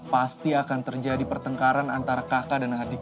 pasti akan terjadi pertengkaran antara kakak dan adik